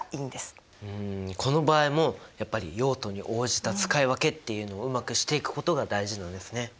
んこの場合もやっぱり用途に応じた使い分けっていうのをうまくしていくことが大事なんですね。